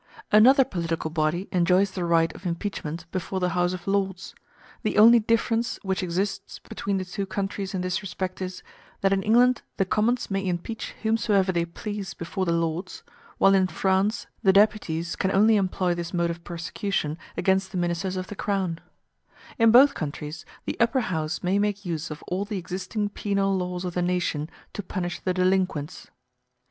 Another political body enjoys the right of impeachment before the House of Lords: the only difference which exists between the two countries in this respect is, that in England the Commons may impeach whomsoever they please before the Lords, whilst in France the Deputies can only employ this mode of prosecution against the ministers of the Crown. a [ [As it existed under the constitutional monarchy down to 1848.]] In both countries the Upper House may make use of all the existing penal laws of the nation to punish the delinquents.